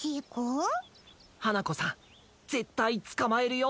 はなこさんぜったいつかまえるよ。